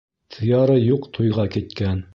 Тыяры юҡ туйға киткән.